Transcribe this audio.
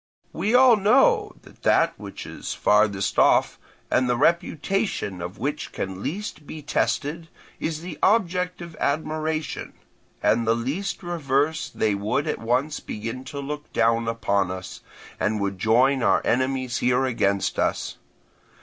We all know that that which is farthest off, and the reputation of which can least be tested, is the object of admiration; at the least reverse they would at once begin to look down upon us, and would join our enemies here against us.